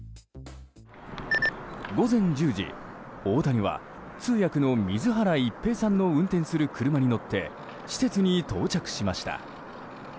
午前１０時、大谷は通訳の水原一平さんの運転する車に乗って施設に到着しました。